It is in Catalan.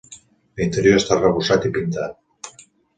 L'interior està arrebossat i pintat.